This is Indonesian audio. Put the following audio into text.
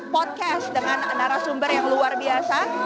podcast dengan narasumber yang luar biasa